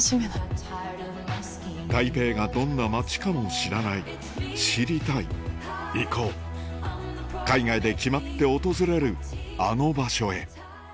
台北がどんな街かも知らない知りたい行こう海外で決まって訪れるあの場所へ